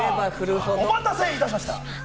お待たせいたしました。